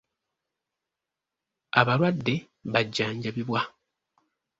Abalwadde bajjanjabibwa.